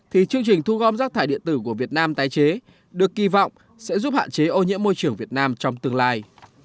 thì chương trình thu gom rác thải điện tử của việt nam tái chế được kỳ vọng sẽ giúp hạn chế ô nhiễm môi trường việt nam trong tương lai